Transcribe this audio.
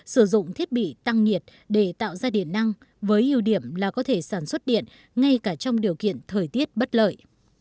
và đây là nhà máy tăng nhiệt để tạo ra điện năng với ưu điểm là có thể sản xuất điện ngay cả trong điều kiện thời tiết bất lợi